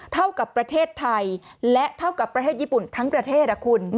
เท่ากับประเทศไทยและเท่ากับประเทศญี่ปุ่นทั้งประเทศคุณ